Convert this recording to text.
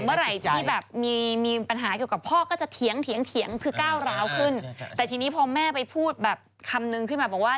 เมื่อไหร่ที่แบบมีปัญหาเกี่ยวกับพ่อก็จะเถียงเถียงคือก้าวร้าวขึ้นแต่ทีนี้พอแม่ไปพูดแบบคำนึงขึ้นมาบอกว่า